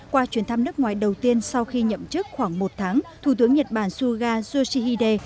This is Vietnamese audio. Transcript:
qua chuyến thăm nước ngoài đầu tiên sau khi nhậm chức khoảng một tháng thủ tướng nhật bản suga yoshihide